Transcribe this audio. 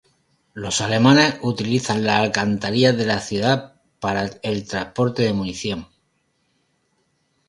Los alemanes utilizan las alcantarillas de la ciudad para el transporte de munición.